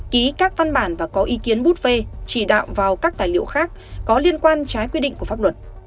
ký các văn bản và có ý kiến bút phê chỉ đạo vào các tài liệu khác có liên quan trái quy định của pháp luật